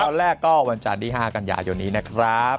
ตอนแรกก็วันจันทร์ที่๕กันยายนนี้นะครับ